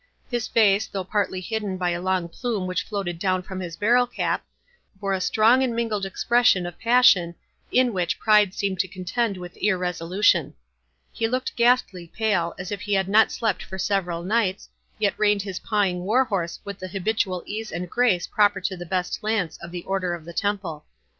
His face, though partly hidden by a long plume which floated down from his barrel cap, bore a strong and mingled expression of passion, in which pride seemed to contend with irresolution. He looked ghastly pale, as if he had not slept for several nights, yet reined his pawing war horse with the habitual ease and grace proper to the best lance of the Order of the Temple.